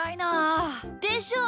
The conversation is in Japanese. でしょ！